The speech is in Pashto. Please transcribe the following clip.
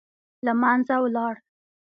له منځه ولاړ.